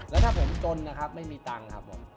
แล้วถ้าผมจนนะครับไม่มีตังค์ครับผม